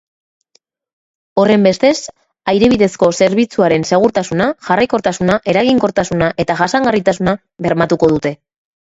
Horrenbestez, aire bidezko zerbitzuaren segurtasuna, jarraikortasuna eraginkortasuna eta jasangarritasuna bermatuko dute.